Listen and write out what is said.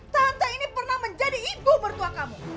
tante ini pernah menjadi ibu mertua kamu